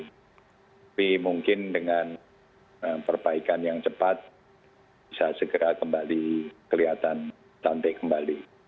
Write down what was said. tapi mungkin dengan perbaikan yang cepat bisa segera kembali kelihatan cantik kembali